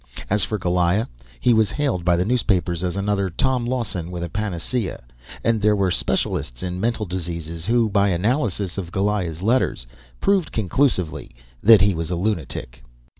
As for Goliah, he was hailed by the newspapers as another Tom Lawson with a panacea; and there were specialists in mental disease who, by analysis of Goliah's letters, proved conclusively that he was a lunatic.